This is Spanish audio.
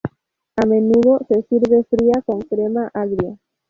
A menudo se sirve fría con crema agria.